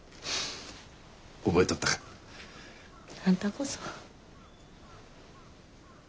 覚えとったか。あんたこそ。